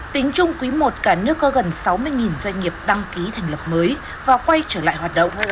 tính chung quý i cả nước có gần sáu mươi doanh nghiệp đăng ký thành lập mới và quay trở lại hoạt động